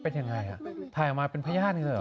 เป็นยังไงอ่ะถ่ายออกมาเป็นพญาติอีกแล้วหรอ